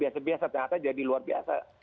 sebiasa ternyata jadi luar biasa